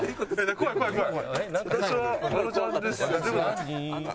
怖い怖い怖い！